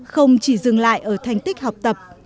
không chỉ dừng lại ở thành tích học tập